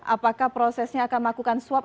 apakah prosesnya akan melakukan swab